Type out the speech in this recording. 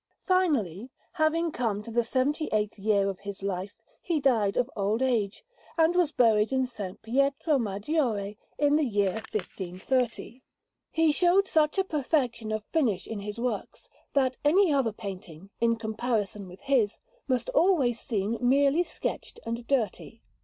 Finally, having come to the seventy eighth year of his life, he died of old age, and was buried in S. Pietro Maggiore, in the year 1530. He showed such a perfection of finish in his works, that any other painting, in comparison with his, must always seem merely sketched and dirty.